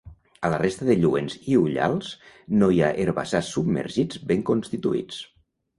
A la resta de lluents i ullals no hi ha herbassars submergits ben constituïts.